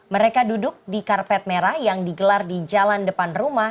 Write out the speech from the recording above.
mereka duduk di karpet merah yang digelar di jalan depan rumah